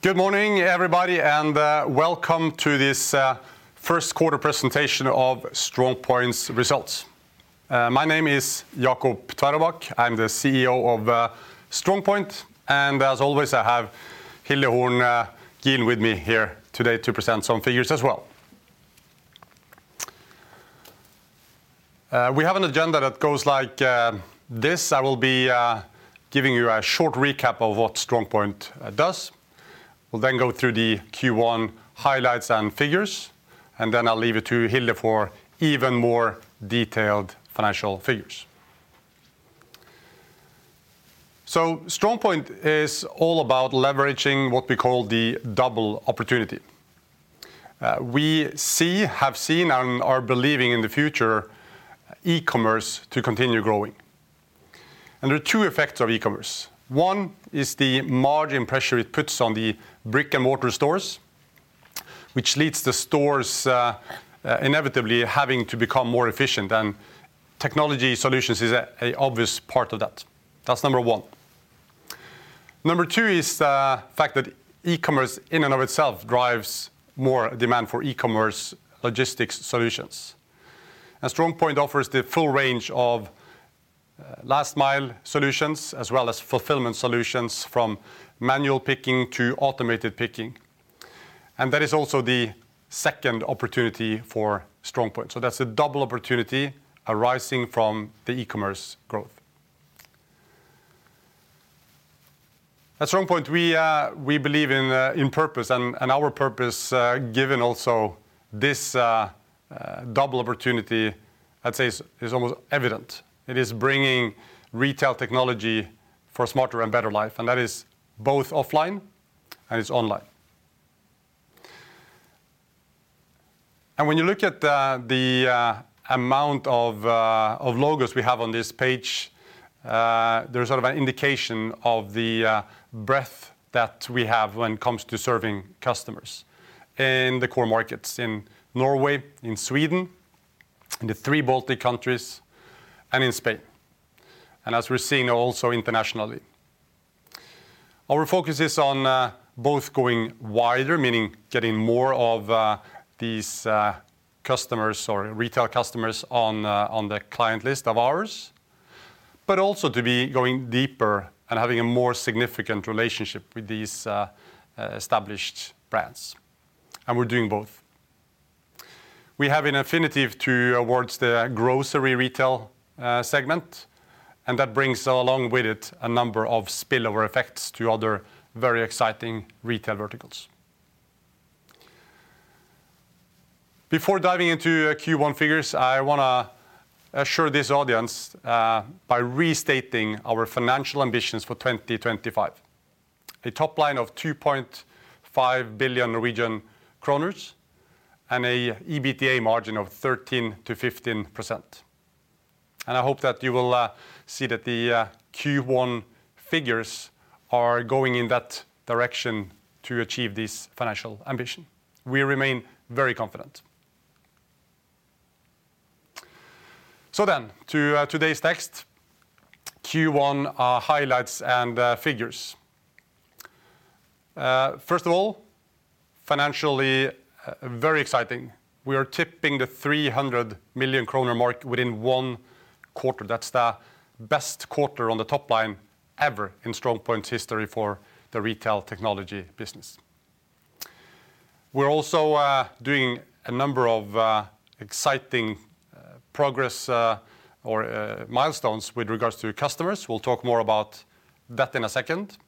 Good morning, everybody, and welcome to this first quarter presentation of StrongPoint's results. My name is Jacob Tveraabak. I'm the CEO of StrongPoint, and as always, I have Hilde Horn Gilen with me here today to present some figures as well. We have an agenda that goes like this. I will be giving you a short recap of what StrongPoint does. We'll then go through the Q1 highlights and figures, and then I'll leave it to Hilde for even more detailed financial figures. StrongPoint is all about leveraging what we call the double opportunity. We see, have seen, and are believing in the future e-commerce to continue growing. There are two effects of e-commerce. One is the margin pressure it puts on the brick-and-mortar stores, which leads the stores inevitably having to become more efficient, and technology solutions is an obvious part of that. That's number one. Number two is the fact that e-commerce in and of itself drives more demand for e-commerce logistics solutions. StrongPoint offers the full range of last-mile solutions as well as fulfillment solutions from manual picking to automated picking. That is also the second opportunity for StrongPoint. That's a double opportunity arising from the e-commerce growth. At StrongPoint, we believe in purpose and our purpose given also this double opportunity, I'd say is almost evident. It is bringing retail technology for smarter and better life, and that is both offline, and it's online. When you look at the amount of logos we have on this page, there's sort of an indication of the breadth that we have when it comes to serving customers in the core markets, in Norway, in Sweden, in the three Baltic countries, and in Spain, and as we're seeing also internationally. Our focus is on both going wider, meaning getting more of these customers or retail customers on the client list of ours, but also to be going deeper and having a more significant relationship with these established brands, and we're doing both. We have an affinity towards the grocery retail segment, and that brings along with it a number of spillover effects to other very exciting retail verticals. Before diving into Q1 figures, I wanna assure this audience by restating our financial ambitions for 2025. Top line of 2.5 billion Norwegian kroner and an EBITDA margin of 13%-15%. I hope that you will see that the Q1 figures are going in that direction to achieve this financial ambition. We remain very confident. To today's topic, Q1 highlights and figures. First of all, financially, very exciting. We are tipping the 300 million kroner mark within one quarter. That's the best quarter on the top line ever in StrongPoint's history for the retail technology business. We're also doing a number of exciting progress or milestones with regards to customers. We'll talk more about that in a second.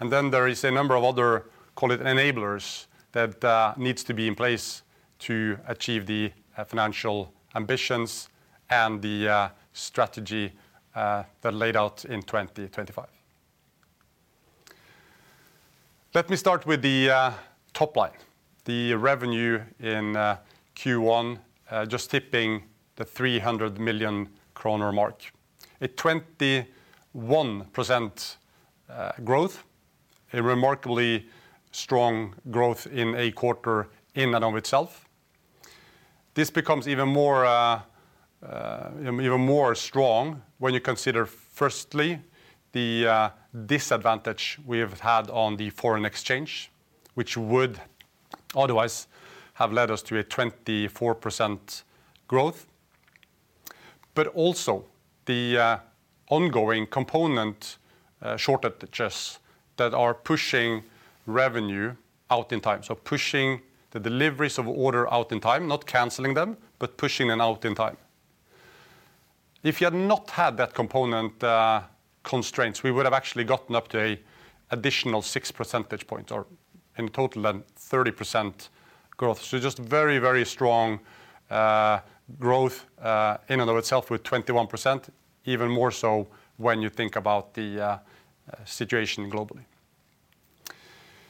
There is a number of other, call it enablers, that needs to be in place to achieve the financial ambitions and the strategy that laid out in 2025. Let me start with the top line, the revenue in Q1 just tipping the 300 million kroner mark. A 21% growth, a remarkably strong growth in a quarter in and of itself. This becomes even more strong when you consider firstly the disadvantage we have had on the foreign exchange, which would otherwise have led us to a 24% growth, but also the ongoing component shortages that are pushing revenue out in time, so pushing the deliveries of order out in time, not canceling them, but pushing them out in time. If you had not had that component, constraints, we would have actually gotten up to an additional 6 percentage points or in total, a 30% growth. Just very, very strong growth in and of itself with 21%, even more so when you think about the situation globally.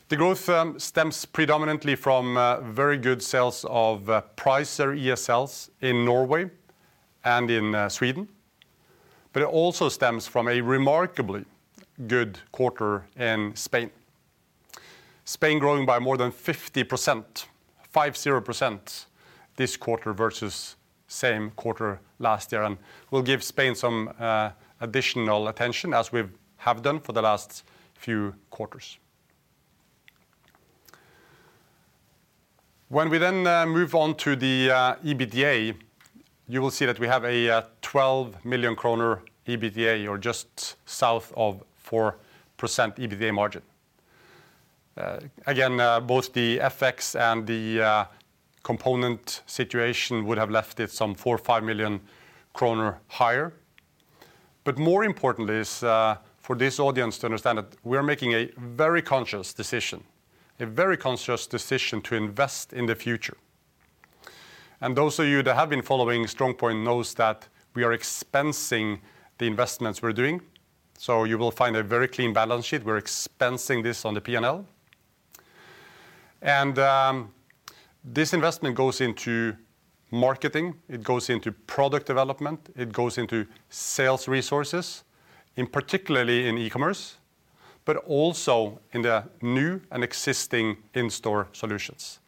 The growth stems predominantly from very good sales of Pricer ESLs in Norway and in Sweden, but it also stems from a remarkably good quarter in Spain. Spain growing by more than 50%, 50% this quarter versus same quarter last year, and we'll give Spain some additional attention as we've done for the last few quarters. When we move on to the EBITDA, you will see that we have a 12 million kroner EBITDA, or just south of 4% EBITDA margin. Again, both the FX and the component situation would have left it some 4 million-5 million kroner higher. More importantly is, for this audience to understand that we're making a very conscious decision to invest in the future. Those of you that have been following StrongPoint knows that we are expensing the investments we're doing. You will find a very clean balance sheet. We're expensing this on the P&L. This investment goes into marketing, it goes into product development, it goes into sales resources, particularly in e-commerce, but also in the new and existing in-store solutions.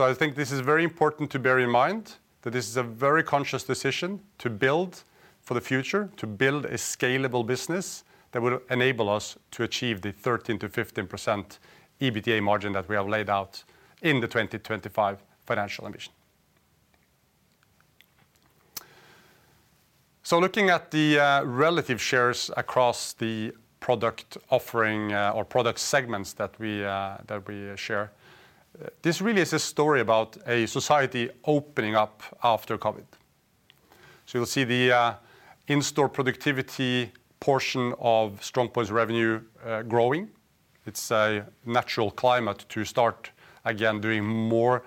I think this is very important to bear in mind that this is a very conscious decision to build for the future, to build a scalable business that will enable us to achieve the 13%-15% EBITDA margin that we have laid out in the 2025 financial ambition. Looking at the relative shares across the product offering or product segments that we share, this really is a story about a society opening up after COVID. You'll see the in-store productivity portion of StrongPoint's revenue growing. It's a natural climate to start again doing more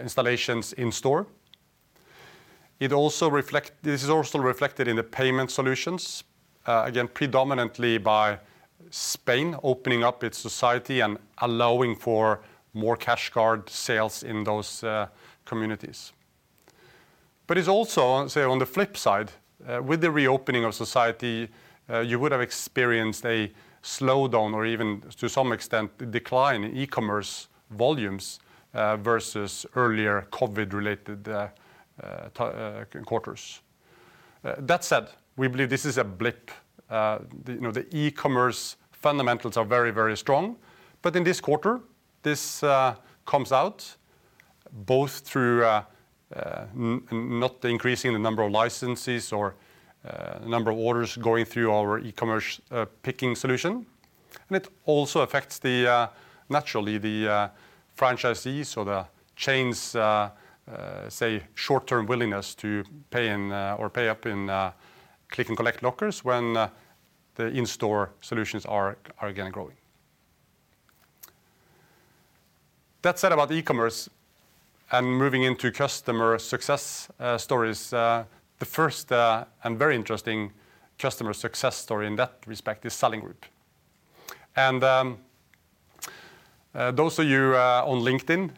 installations in-store. This is also reflected in the payment solutions, again, predominantly by Spain opening up its society and allowing for more cash and card sales in those communities. It's also, say on the flip side, with the reopening of society, you would have experienced a slowdown or even to some extent decline in e-commerce volumes, versus earlier COVID-related quarters. That said, we believe this is a blip. You know, the e-commerce fundamentals are very, very strong. In this quarter, this comes out both through not increasing the number of licenses or number of orders going through our e-commerce picking solution. It also affects naturally the franchisees or the chains' say short-term willingness to pay, or pay up in click & collect lockers when the in-store solutions are again growing. That said about e-commerce and moving into customer success stories, the first and very interesting customer success story in that respect is Salling Group. Those of you on LinkedIn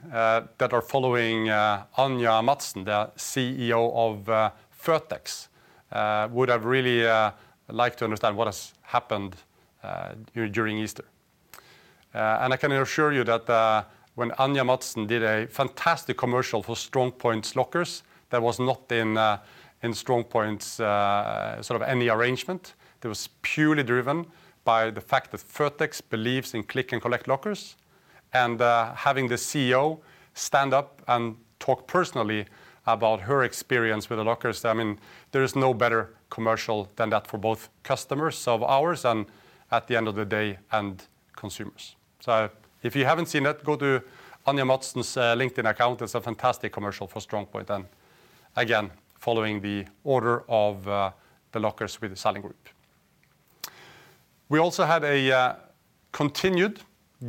that are following Anja Madsen, the CEO of føtex, would have really liked to understand what has happened during Easter. I can assure you that when Anja Madsen did a fantastic commercial for StrongPoint's lockers, that was not in StrongPoint's sort of any arrangement. It was purely driven by the fact that føtex believes in click & collect lockers, and having the CEO stand up and talk personally about her experience with the lockers, I mean, there is no better commercial than that for both customers of ours and at the end of the day and consumers. If you haven't seen it, go to Anja Madsen's LinkedIn account. It's a fantastic commercial for StrongPoint and again, following the order of the lockers with the Salling Group. We also had a continued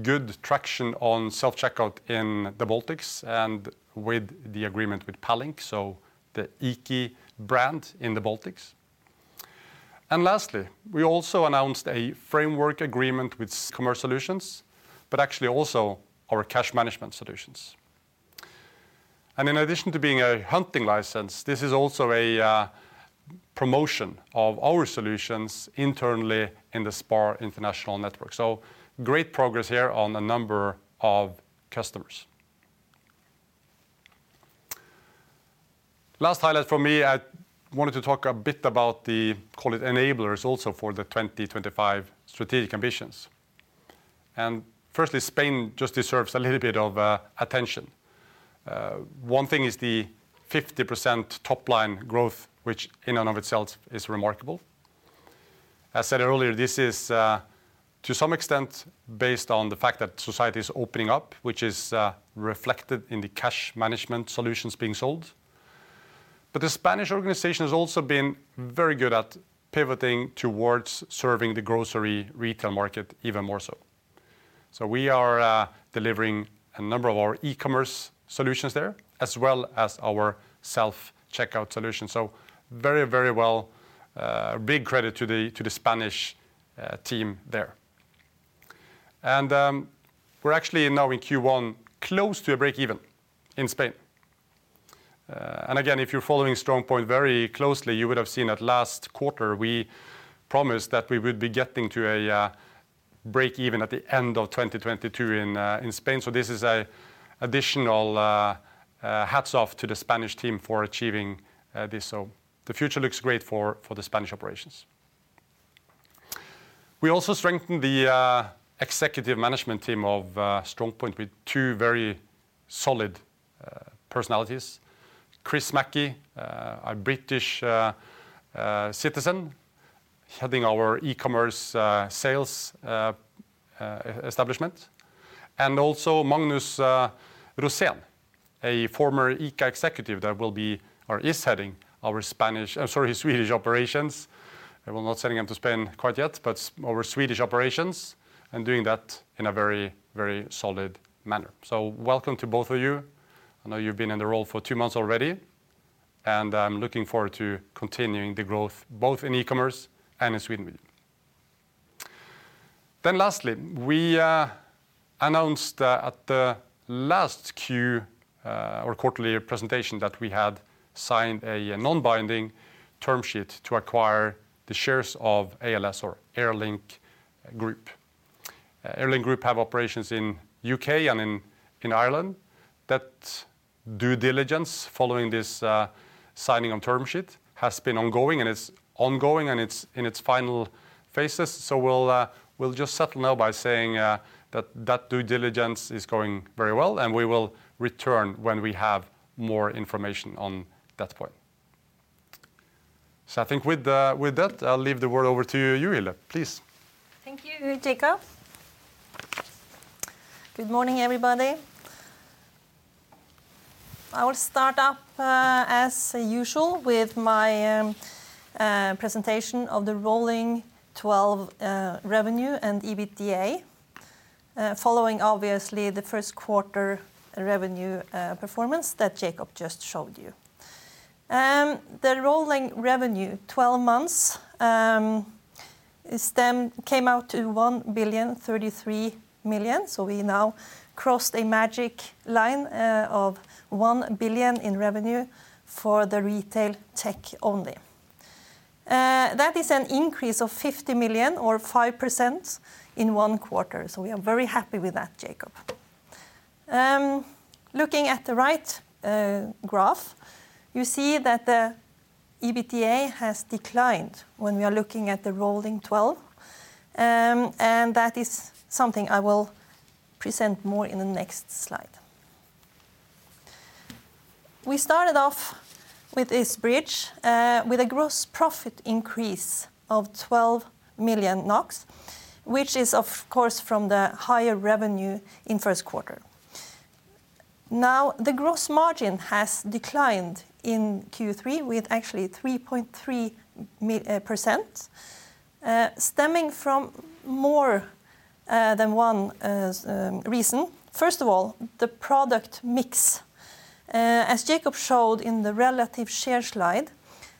good traction on self-checkout in the Baltics and with the agreement with Palink, so the IKI brand in the Baltics. Lastly, we also announced a framework agreement with SPAR International for e-commerce solutions, but actually also our cash management solutions. In addition to being a hunting license, this is also a promotion of our solutions internally in the SPAR International network. Great progress here on a number of customers. Last highlight for me, I wanted to talk a bit about the, call it, enablers also for the 2025 strategic ambitions. Firstly, Spain just deserves a little bit of attention. One thing is the 50% top-line growth, which in and of itself is remarkable. As said earlier, this is to some extent based on the fact that society is opening up, which is reflected in the cash management solutions being sold. The Spanish organization has also been very good at pivoting towards serving the grocery retail market even more so. We are delivering a number of our e-commerce solutions there, as well as our self-checkout solution. Very, very well, big credit to the Spanish team there. We're actually now in Q1 close to a break-even in Spain. Again, if you're following StrongPoint very closely, you would have seen that last quarter we promised that we would be getting to a break-even at the end of 2022 in Spain. This is an additional hats off to the Spanish team for achieving this. The future looks great for the Spanish operations. We also strengthened the executive management team of StrongPoint with two very solid personalities. Chris Mackie, a British citizen, heading our e-commerce sales establishment. Magnus Rosén, a former ICA executive that will be or is heading our Swedish operations, and we're not sending him to Spain quite yet, but our Swedish operations, and doing that in a very solid manner. Welcome to both of you. I know you've been in the role for two months already, and I'm looking forward to continuing the growth both in e-commerce and in Sweden with you. Lastly, we announced at the last Q or quarterly presentation that we had signed a non-binding term sheet to acquire the shares of Air Link Group. Air Link Group has operations in U.K. and in Ireland. That due diligence following this signing of term sheet has been ongoing, and it's ongoing, and it's in its final phases. We'll just settle now by saying that due diligence is going very well, and we will return when we have more information on that point. I think with that, I'll turn it over to you, Hilde, please. Thank you, Jacob. Good morning, everybody. I will start up, as usual with my presentation of the rolling 12 revenue and EBITDA, following obviously the first quarter revenue performance that Jacob just showed you. The rolling revenue, 12 months, came out to 1.033 billion. We now crossed a magic line of 1 billion in revenue for the retail tech only. That is an increase of 50 million or 5% in one quarter. We are very happy with that, Jacob. Looking at the right graph, you see that the EBITDA has declined when we are looking at the rolling 12, and that is something I will present more in the next slide. We started off with this bridge with a gross profit increase of 12 million NOK, which is of course from the higher revenue in first quarter. Now, the gross margin has declined in Q3 with actually 3.3%, stemming from more than one reason. First of all, the product mix. As Jacob showed in the relative share slide,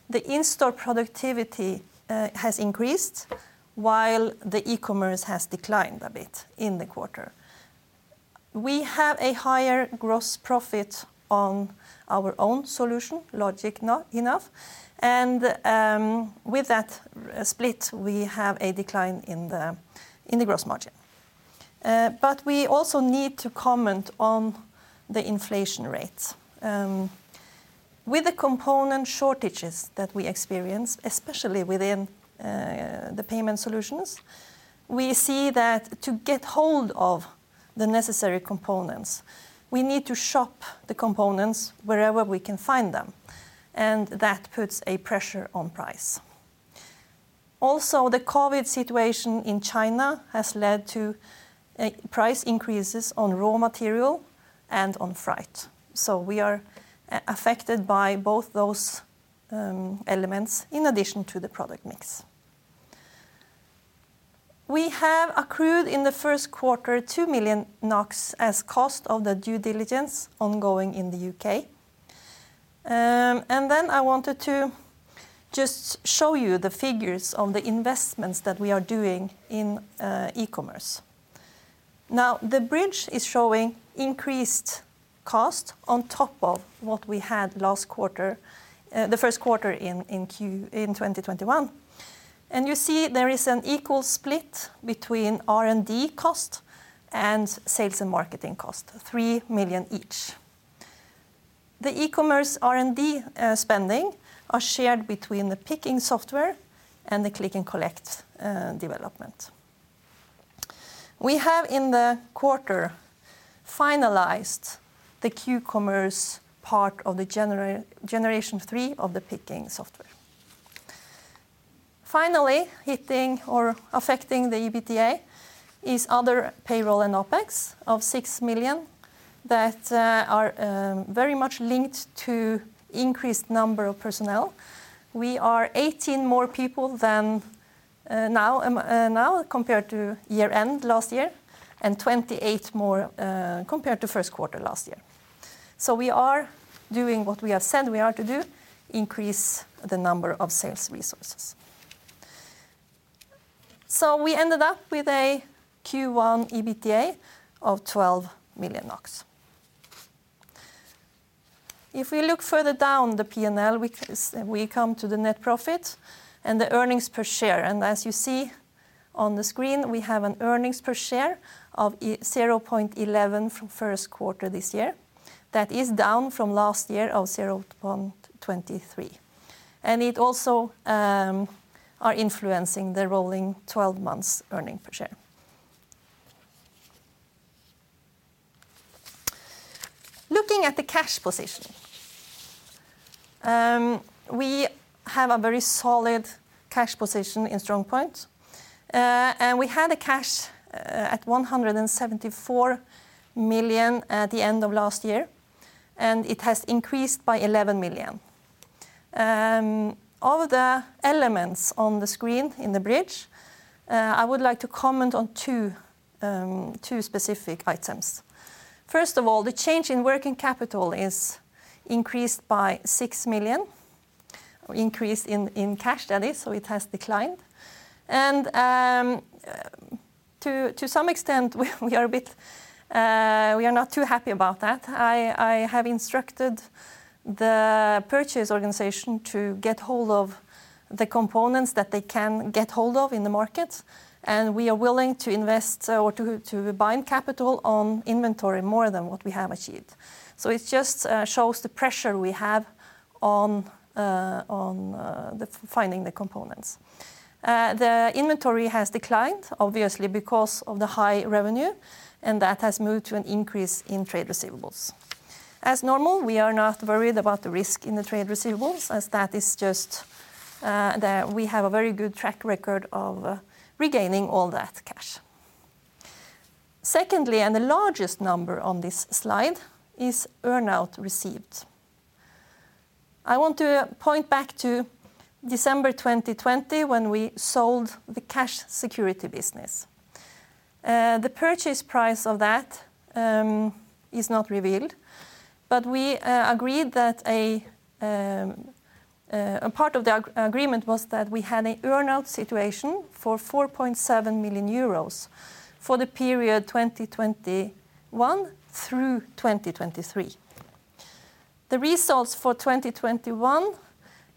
the in-store productivity has increased while the e-commerce has declined a bit in the quarter. We have a higher gross profit on our own solution. With that split, we have a decline in the gross margin. We also need to comment on the inflation rates. With the component shortages that we experience, especially within the payment solutions, we see that to get hold of the necessary components, we need to shop the components wherever we can find them, and that puts a pressure on price. Also, the COVID situation in China has led to price increases on raw material and on freight. We are affected by both those elements in addition to the product mix. We have accrued in the first quarter 2 million NOK as cost of the due diligence ongoing in the U.K. I wanted to just show you the figures on the investments that we are doing in e-commerce. Now, the bridge is showing increased cost on top of what we had last quarter, the first quarter in 2021. You see there is an equal split between R&D cost and sales and marketing cost, 3 million each. The e-commerce R&D spending are shared between the picking software and the click & collect development. We have in the quarter finalized the Q-commerce part of the generation three of the picking software. Finally, hitting or affecting the EBITDA is other payroll and OpEx of 6 million that are very much linked to increased number of personnel. We are 18 more people than now compared to year-end last year, and 28 more compared to first quarter last year. We are doing what we have said we are to do, increase the number of sales resources. We ended up with a Q1 EBITDA of NOK 12 million. If we look further down the P&L, we come to the net profit and the earnings per share. As you see on the screen, we have an earnings per share of 0.11 from first quarter this year. That is down from last year of 0.23. It also are influencing the rolling 12 months earning per share. Looking at the cash position, we have a very solid cash position in StrongPoint. We had a cash at 174 million at the end of last year, and it has increased by 11 million. Of the elements on the screen in the bridge, I would like to comment on two specific items. First of all, the change in working capital is increased by 6 million, or increase in cash that is, so it has declined. To some extent, we are not too happy about that. I have instructed the purchase organization to get hold of the components that they can get hold of in the market, and we are willing to invest or to bind capital on inventory more than what we have achieved. It just shows the pressure we have on finding the components. The inventory has declined, obviously because of the high revenue, and that has moved to an increase in trade receivables. As normal, we are not worried about the risk in the trade receivables, as that is just. We have a very good track record of regaining all that cash. Secondly, and the largest number on this slide, is earnout received. I want to point back to December 2020 when we sold the cash security business. The purchase price of that is not revealed, but we agreed that a part of the agreement was that we had a earnout situation for 4.7 million euros for the period 2021 through 2023. The results for 2021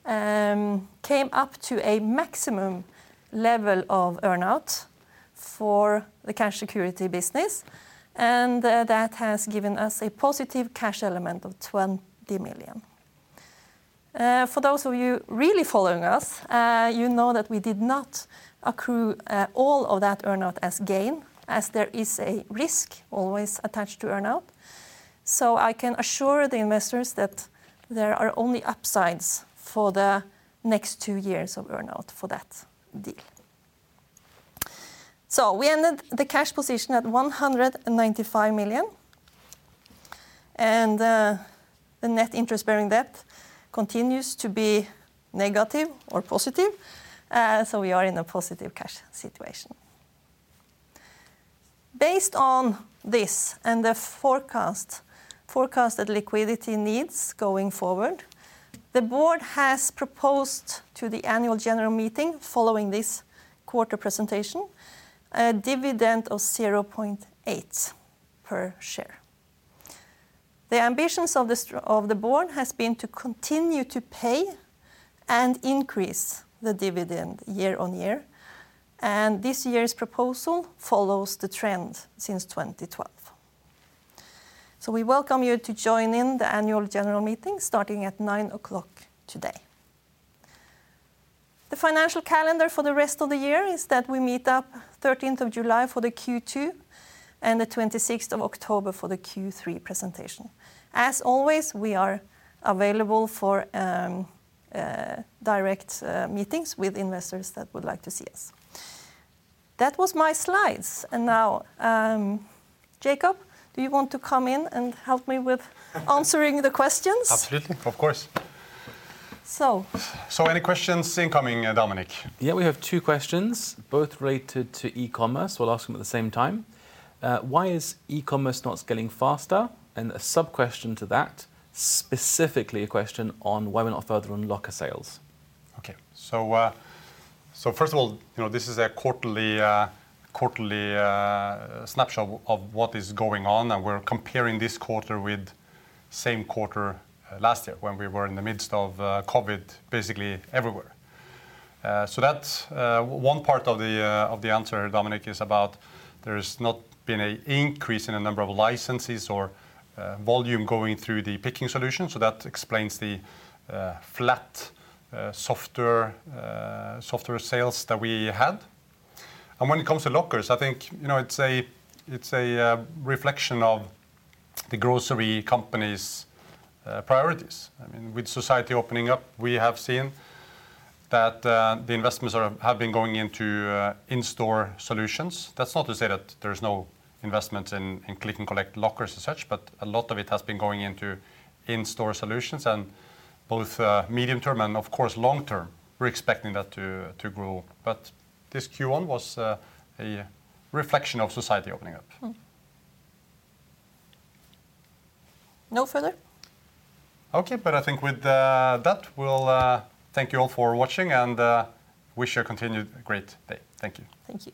came up to a maximum level of earnout for the cash security business, and that has given us a positive cash element of 20 million. For those of you really following us, you know that we did not accrue all of that earnout as gain, as there is a risk always attached to earnout. I can assure the investors that there are only upsides for the next two years of earnout for that deal. We ended the cash position at 195 million, and the net interest-bearing debt continues to be negative or positive, so we are in a positive cash situation. Based on this and the forecast, forecasted liquidity needs going forward, the Board has proposed to the Annual General Meeting following this quarter presentation a dividend of 0.8 per share. The ambitions of the Board has been to continue to pay and increase the dividend year-on-year, and this year's proposal follows the trend since 2012. We welcome you to join in the Annual General Meeting starting at 9:00 A.M. today. The financial calendar for the rest of the year is that we meet up 13th of July for the Q2 and the 26th of October for the Q3 presentation. As always, we are available for direct meetings with investors that would like to see us. That was my slides, and now, Jacob, do you want to come in and help me with answering the questions? Absolutely. Of course. So. Any questions incoming, Dominic? Yeah, we have two questions, both related to e-commerce. We'll ask them at the same time. Why is e-commerce not scaling faster? A sub-question to that, specifically a question on why we're not further on locker sales? Okay, first of all, you know, this is a quarterly snapshot of what is going on, and we're comparing this quarter with same quarter last year when we were in the midst of COVID basically everywhere. That's one part of the answer, Dominic, is about there's not been an increase in the number of licenses or volume going through the picking solution. That explains the flat, softer software sales that we had. When it comes to lockers, I think, you know, it's a reflection of the grocery company's priorities. I mean, with society opening up, we have seen that the investments have been going into in-store solutions. That's not to say that there's no investments in click & collect lockers and such, but a lot of it has been going into in-store solutions and both medium term and of course long term, we're expecting that to grow. This Q1 was a reflection of society opening up. No further? Okay. I think with that, we'll thank you all for watching and wish you a continued great day. Thank you. Thank you.